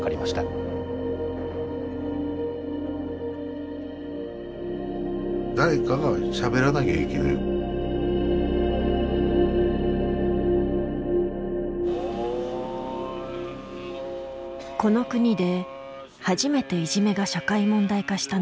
この国で初めていじめが社会問題化したのは１９８０年代。